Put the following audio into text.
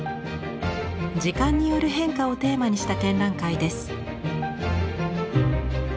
時間による変化をテーマにした展覧会です。